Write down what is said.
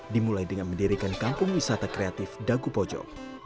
dimulai dengan mendirikan kampung wisata kreatif dagupojo